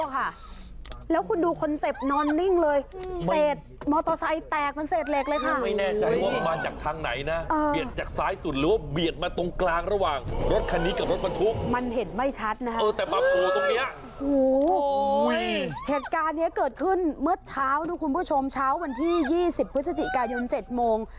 เหตุการณ์นี้เกิดขึ้นเมื่อเช้านะคุณผู้ชมเช้าวันที่๒๐พฤศจิกายน๗โมง